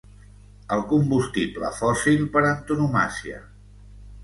El combustible fòssil per antonomàsia.